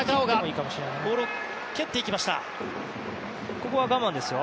ここは我慢ですよ。